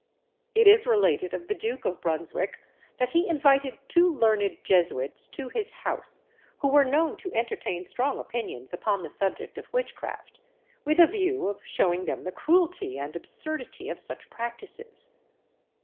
It is related of the Duke of Brunswick that he invited two learned Jesuits to his house, who were known to entertain strong opinions upon the subject of witchcraft, with a view of shewing them the cruelty and absurdity of such practices.